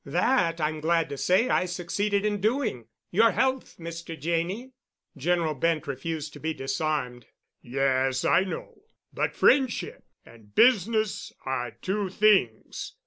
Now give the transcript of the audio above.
That, I'm glad to say, I succeeded in doing. Your health, Mr. Janney." General Bent refused to be disarmed. "Yes, I know. But friendship and business are two things.